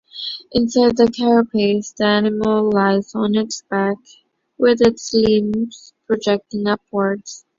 Inside the carapace, the animal lies on its back, with its limbs projecting upwards.